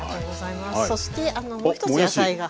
そしてあのもう一つ野菜が。